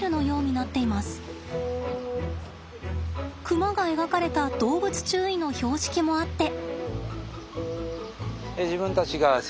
クマが描かれた動物注意の標識もあって。